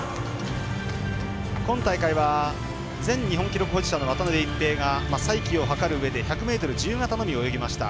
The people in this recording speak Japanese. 今大会は前日本記録保持者の渡辺一平が再起を図るうえで１００ｍ自由形のみ泳ぎました。